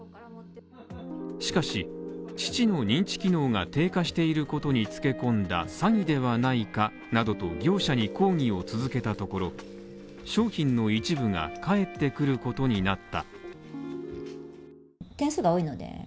しかし父の認知機能が低下していることにつけ込んだ詐欺ではないかなどと業者に抗議を続けたところ、商品の一部が返ってくることになった。